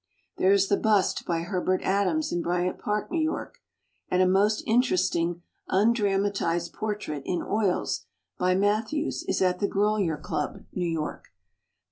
There is the bust by Herbert Adams in Bryant Park, New York, and a most interesting undramatized portrait in oils by Mathews is at the Grolier Club, New York.